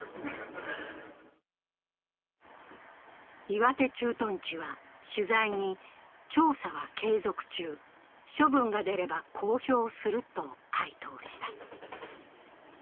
岩手駐屯地は取材に、調査は継続中、処分が出れば公表すると回答した。